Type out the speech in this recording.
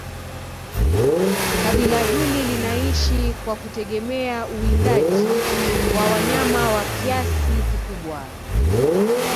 Kabila hili linaishi kwa kutegemea uwindaji wa wanyama kwa kiasi kikubwa